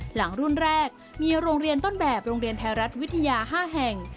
หลังรุ่นแรกมีโรงเรียนต้นแบบโรงเรียนไทยรัฐวิทยา๕แห่ง